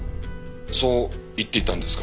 そう言っていたんですか？